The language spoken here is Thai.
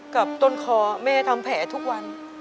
กับต้นคอแม่ทำแผลทุกวัน